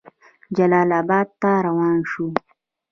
جلال آباد ته روان شو.